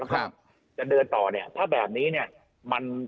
ถ้าจะเดินต่อเนี่ยถ้าแบบนี้เนี่ย